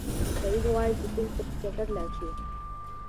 سعید غواړي چې کلي ته په چکر لاړ شي.